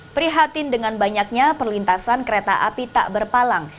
prihatin dengan banyaknya perlintasan kereta api tak berpalang